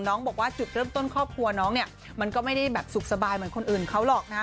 น้องบอกว่าจุดเริ่มต้นครอบครัวน้องเนี่ยมันก็ไม่ได้แบบสุขสบายเหมือนคนอื่นเขาหรอกนะฮะ